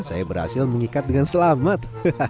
saya berhasil mengikat dengan selamat